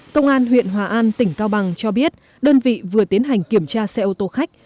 công an huyện hòa an tỉnh cao bằng cho biết đơn vị vừa tiến hành kiểm tra xe ô tô khách